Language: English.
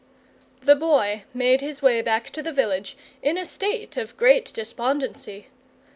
The Boy made his way back to the village in a state of great despondency.